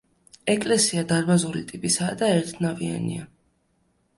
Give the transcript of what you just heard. ეკლესია დარბაზული ტიპისაა და ერთნავიანია.